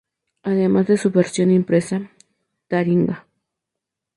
Además de su versión impresa, Taringa!